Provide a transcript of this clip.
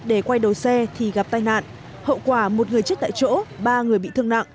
để quay đầu xe thì gặp tai nạn hậu quả một người chết tại chỗ ba người bị thương nặng